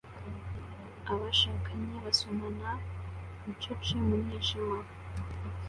Abashakanye basomana bucece mu mwijima